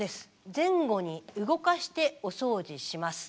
「前後に動かしてお掃除します。